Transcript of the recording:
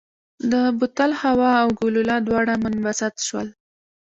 د بوتل هوا او ګلوله دواړه منبسط شول.